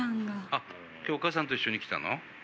あっ今日お母さんと一緒に来たの？